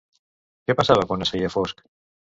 Què passava quan es feia fosc?